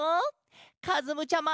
かずむちゃま！